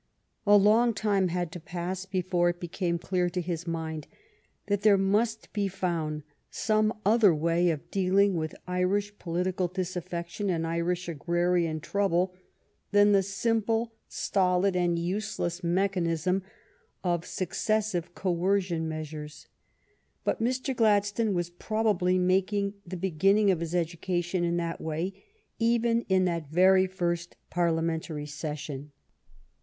A long time had to pass before it became clear to his mind that there must be found some other way of dealing with Irish politi cal disaffection and Irish agrarian trouble than the simple, stolid, and useless mechanism of succes sive coercion measures. But Mr. Gladstone was probably making the beginning of his education in that way even in that very first Parliamentary session.